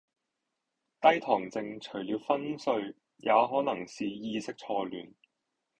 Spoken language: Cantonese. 低糖症除了昏睡，也可能是意識錯亂